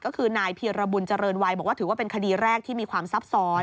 ก็คือนายเพียรบุญเจริญวัยบอกว่าถือว่าเป็นคดีแรกที่มีความซับซ้อน